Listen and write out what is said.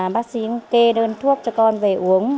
bác sĩ kê đơn thuốc cho con về uống